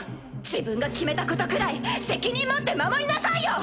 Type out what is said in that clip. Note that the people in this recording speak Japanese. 自分が決めたことくらい責任持って守りなさいよ！